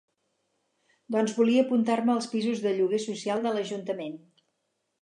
Doncs volia apuntar-me als pisos de lloguer social de l'ajuntament.